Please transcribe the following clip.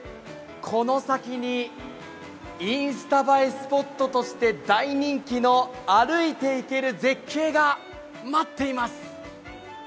この先にインスタ映えスポットとして大人気の歩いて行ける絶景が待っています。